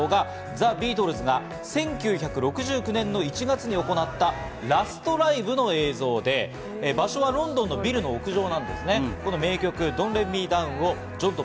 ザ・ビートルズが１９６９年の１月に行った、ラストライブの映像で、場所はロンドンのビルの屋上なんですね。